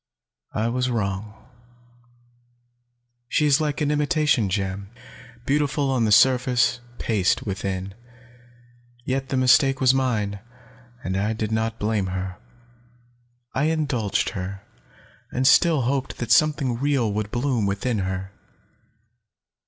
I was wrong. She is like an imitation gem beautiful on the surface, paste within. Yet the mistake was mine, and I did not blame her. I indulged her, and still hoped that something real would bloom within her."